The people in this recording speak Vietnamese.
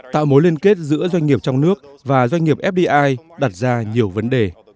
tạo mối liên kết giữa doanh nghiệp trong nước và doanh nghiệp fdi đặt ra nhiều vấn đề